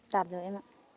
đạt rồi em ạ